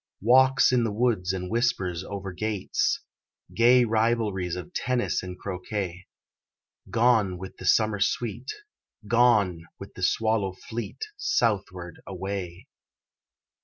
Walks in the woods and whispers over gates, Gay rivalries of tennis and croquet Gone with the summer sweet, Gone with the swallow fleet Southward away!